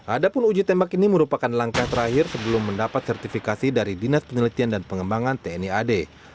adapun uji tembak ini merupakan langkah terakhir sebelum mendapat sertifikasi dari dinas penelitian dan pengembangan tni ad